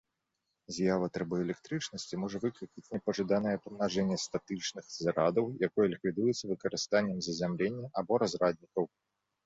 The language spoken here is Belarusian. З'ява трыбаэлектрычнасці можа выклікаць непажаданае памнажэнне статычных зарадаў, якое ліквідуецца выкарыстаннем зазямлення або разраднікаў.